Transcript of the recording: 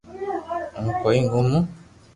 ھون ڪوئي گومو